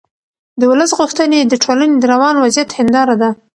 د ولس غوښتنې د ټولنې د روان وضعیت هنداره ده